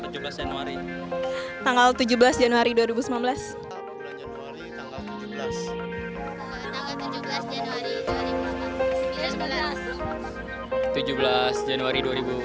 tujuh belas januari dua ribu sembilan belas